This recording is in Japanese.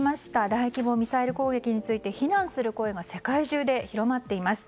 大規模ミサイル攻撃について非難する声が世界中で広まっています。